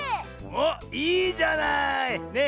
おっいいじゃない！ね。